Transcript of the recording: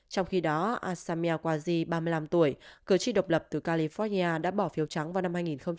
trong khi đó asamiya kwasi ba mươi năm tuổi cử tri độc lập từ california đã bỏ phiếu trắng vào năm hai nghìn hai mươi